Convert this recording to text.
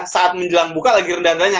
saat menjelang buka lagi rendah rendahnya